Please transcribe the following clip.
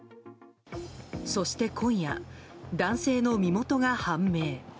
そして今夜、男性の身元が判明。